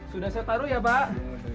sudah saya taruh ya pak